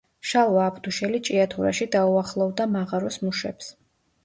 შალვა აბდუშელი ჭიათურაში დაუახლოვდა მაღაროს მუშებს.